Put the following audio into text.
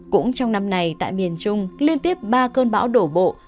cũng trong năm nay tại miền trung liên tiếp ba cơn bão đổ bộ